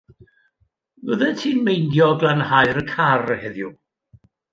Fyddet ti'n meindio glanhau'r car heddiw?